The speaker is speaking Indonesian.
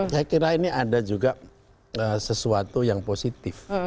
saya kira ini ada juga sesuatu yang positif